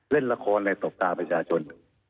เล่นละครในตบตาประชาชน